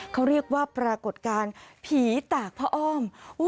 เขาเรียกว่าปรากฏการณ์ผีตากพระอ้อม